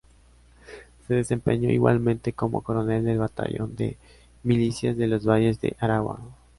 Se desempeñó igualmente como coronel del batallón de milicias de los Valles de Aragua.